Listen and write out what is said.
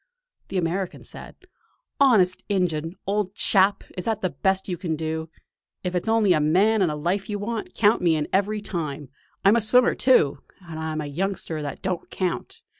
The American said: "Honest injun! old chap, is that the best you can do? If it's only a man and a life you want, count me in every time. I'm a swimmer, too; and I'm a youngster that don't count.